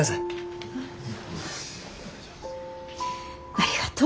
ありがとう。